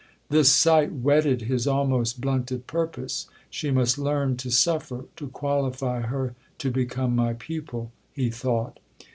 This sight 'whetted his almost blunted purpose.' She must learn to suffer, to qualify her to become my pupil, he thought.